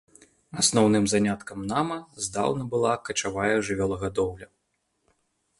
Асноўным заняткам нама здаўна была качавая жывёлагадоўля.